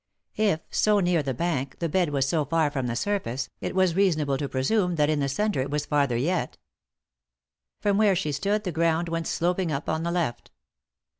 If, so near the bank, the bed was so far from the surface, it was reasonable to presume that in the centre it was farther yet. From where she stood the ground went sloping up on the left.